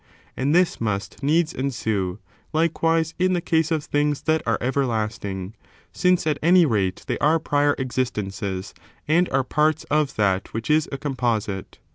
And this must needs ensue, likewise, in the case of things that are everlasting ; since, at any rate, they are pnor existences, and are parts of that which is a composite.